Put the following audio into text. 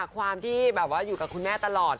ความที่แบบว่าอยู่กับคุณแม่ตลอด